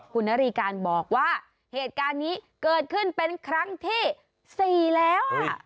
คุณนารีการบอกว่าเหตุการณ์นี้เกิดขึ้นเป็นครั้งที่๔แล้ว